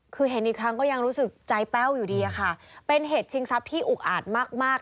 คือเห็นอีกครั้งก็ยังรู้สึกใจแป้วอยู่ดีอะค่ะเป็นเหตุชิงทรัพย์ที่อุกอาจมากมาก